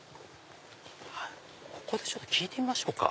ここでちょっと聞いてみましょうか。